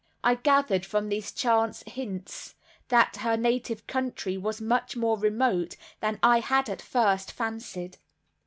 I gathered from these chance hints that her native country was much more remote than I had at first fancied.